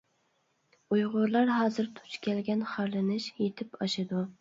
ئۇيغۇرلار ھازىر دۇچ كەلگەن خارلىنىش يېتىپ ئاشىدۇ.